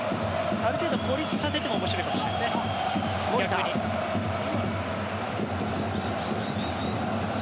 ある程度、孤立させても面白いかもしれないですね。